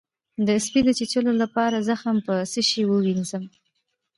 د سپي د چیچلو لپاره زخم په څه شی ووینځم؟